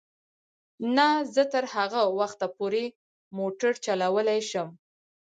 نه، زه تر هغه وخته پورې موټر چلولای شم.